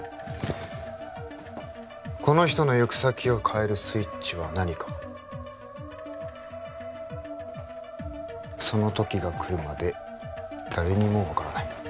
この人の行く先を変えるスイッチは何かその時がくるまで誰にも分からない